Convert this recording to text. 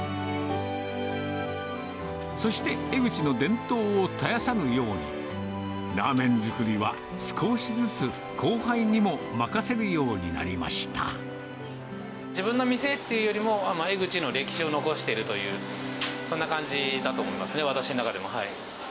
そして、江ぐちの伝統を絶やさぬように、ラーメン作りは少しずつ後輩にも自分の店っていうよりも、江ぐちの歴史を残しているという、そんな感じだと思いますね、私の中でも。